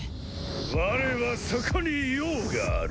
我はそこに用がある。